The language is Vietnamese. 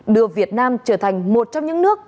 đưa việt nam trở thành một trong những nước